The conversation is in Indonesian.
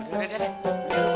dari dari dari